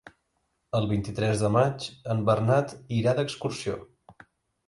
El vint-i-tres de maig en Bernat irà d'excursió.